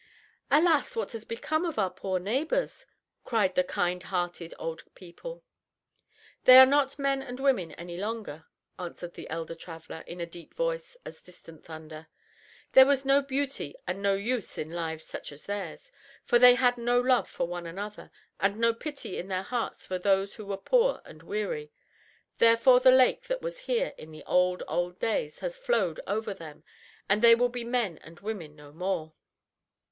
"Alas! what has become of our poor neighbors?" cried the kind hearted old people. "They are not men and women any longer," answered the elder traveler, in a deep voice like distant thunder. "There was no beauty and no use in lives such as theirs, for they had no love for one another, and no pity in their hearts for those who were poor and weary. Therefore the lake that was here in the old, old days has flowed over them, and they will be men and women no more."